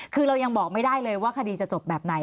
คือเรายังบอกไม่ได้เลยว่าคดีจะจบแบบไหน